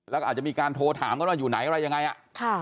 แล้วก็อาจจะมีการโทรถามกันว่าอยู่ไหนอะไรยังไงอ่ะค่ะ